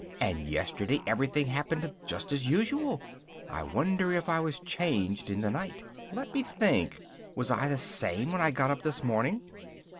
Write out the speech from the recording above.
and yesterday everything happened just as usual: I wonder if I was changed in the night? Let me think: was I the same when I got up this morning?